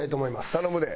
頼むで。